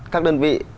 các đơn vị